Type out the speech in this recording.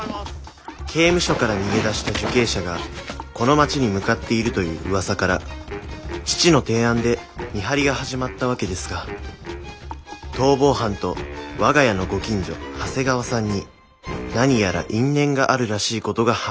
刑務所から逃げ出した受刑者がこの町に向かっているという噂から父の提案で見張りが始まったわけですが逃亡犯と我が家のご近所長谷川さんに何やら因縁があるらしいことが判明